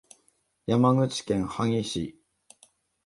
山口県萩市